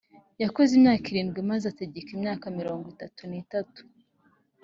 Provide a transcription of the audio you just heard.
yakoze imyaka irindwi maze ategeka imyaka mirongo itatu n itatu